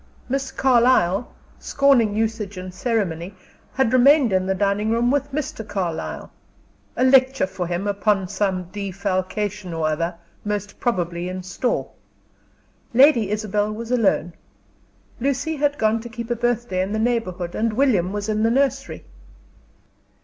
Miss Carlyle, scorning usage and ceremony, had remained in the dining room with Mr. Carlyle, a lecture for him, upon some defalcation or other most probably in store. Lady Isabel was alone. Lucy had gone to keep a birthday in the neighborhood, and William was in the nursery.